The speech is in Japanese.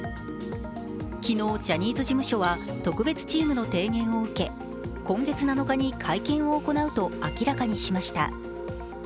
昨日、ジャニーズ事務所は特別チームの提言を受け、今月７日に会見を行うと明らかにしました。